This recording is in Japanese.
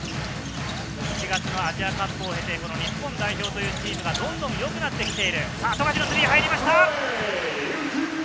７月のアジアカップ後の日本代表というチームがどんどん良くなってきている。